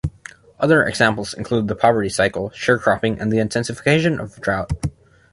Other examples include the poverty cycle, sharecropping, and the intensification of drought.